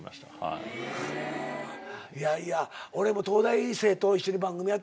いやいや俺も東大生と一緒に番組やったりしてるんですよ。